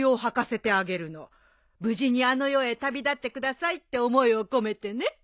無事にあの世へ旅立ってくださいって思いを込めてね。